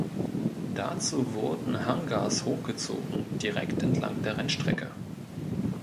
Dazu wurden Hangars hochgezogen, direkt entlang der Rennstrecke.